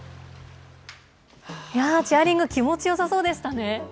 チェアリング、気持ちよさそうでしたね。